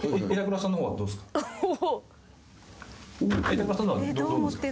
板倉さんの方はどうですか？